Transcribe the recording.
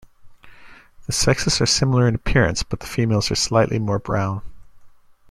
The sexes are similar in appearance but the females are slightly more brown.